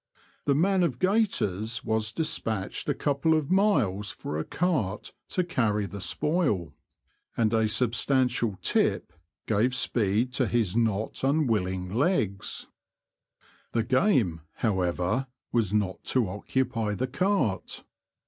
The man of gaiters was despatched a couple of miles for a cart to carry the spoil^ The Confessions of a Poacher. 139 and a substantial " tip " gave speed to his not unwilling legs. The game, however, was not to occupy the cart.